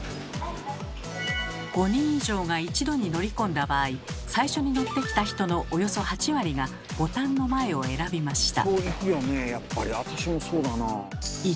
５人以上が一度に乗り込んだ場合最初に乗ってきた人のおよそ８割がボタンの前を選びました。